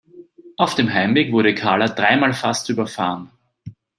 Auf dem Heimweg wurde Karla dreimal fast überfahren.